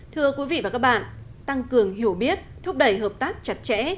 thưa quý vị và các bạn tăng cường hiểu biết thúc đẩy hợp tác chặt chẽ